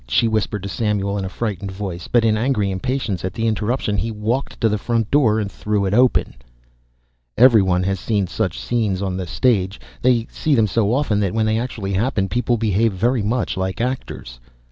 she whispered to Samuel, in a frightened voice, but in angry impatience at the interruption he walked to the front door and threw it open. Every one has seen such scenes on the stage seen them so often that when they actually happen people behave very much like actors.